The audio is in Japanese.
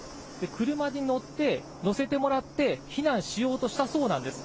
車に乗って、乗せてもらって、避難しようとしたそうなんです。